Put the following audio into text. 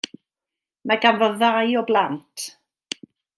Mae ganddo ddau o blant.